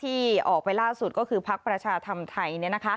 ที่ออกไปล่าสุดก็คือพักประชาธรรมไทย